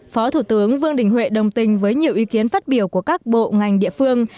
phó thủ tướng vương đình huệ đồng tình với nhiều ý kiến phát biểu của các bộ ngành địa phương